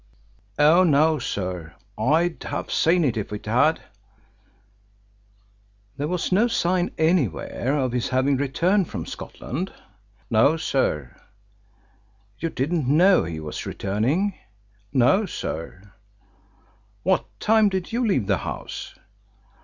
"Oh, no, sir. I'd have seen it if it had." "There was no sign anywhere of his having returned from Scotland?" "No, sir." "You didn't know he was returning?" "No, sir." "What time did you leave the house?"